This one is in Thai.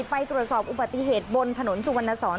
ไปตรวจสอบอุบัติเหตุบนถนนสุวรรณสอน